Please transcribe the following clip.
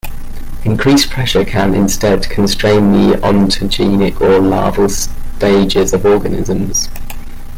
Increased pressure can, instead, constrain the ontogenic or larval stages of organisms.